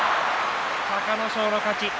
隆の勝の勝ちです。